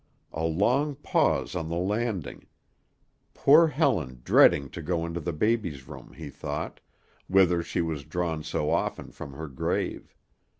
A long pause on the landing; poor Helen dreading to go into the baby's room, he thought, whither she was drawn so often from her grave.